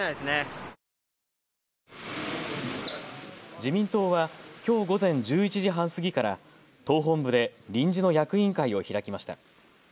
自民党は、きょう午前１１時半過ぎから党本部で臨時の役員会を開きました。